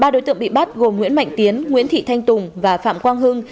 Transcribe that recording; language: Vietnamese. ba đối tượng bị bắt gồm nguyễn mạnh tiến nguyễn thị thanh tùng và phạm quang hưng